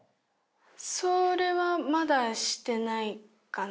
それはまだしてないかな。